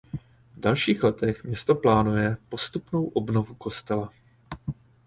V dalších letech město plánuje postupnou obnovu kostela.